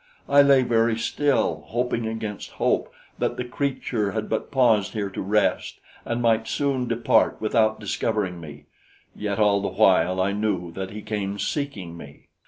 I lay very still, hoping against hope, that the creature had but paused here to rest and might soon depart without discovering me; yet all the while I knew that he came seeking me.